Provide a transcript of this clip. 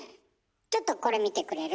ちょっとこれ見てくれる？